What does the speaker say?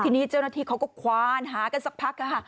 ทีนี้เจ้าหน้าที่เขาก็ควานหากันสักพักค่ะ